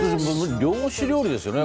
漁師料理ですよね。